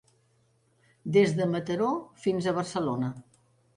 Des de Mataró fins a Barcelona.